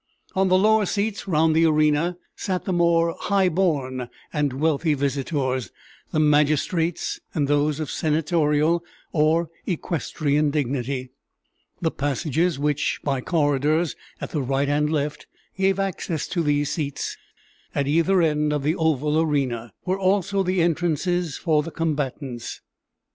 On the lower seats round the arena sat the more high born and wealthy visitors the magistrates and those of senatorial or equestrian dignity: the passages which, by corridors at the right and left, gave access to these seats, at either end of the oval arena, were also the entrances for the combatants.